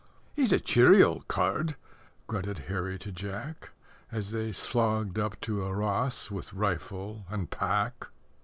"He's a cheery old card," grunted Harry to Jack As they slogged up to Arras with rifle and pack.